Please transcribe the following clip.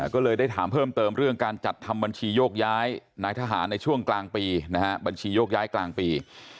ก็เลยได้ถามเพิ่มเติมเรื่องการจัดทำบัญชีโยกย้ายนายทหารในช่วงกลางปี